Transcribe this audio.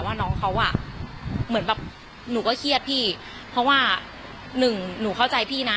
น้องเขาอ่ะเหมือนแบบหนูก็เครียดพี่เพราะว่าหนึ่งหนูเข้าใจพี่นะ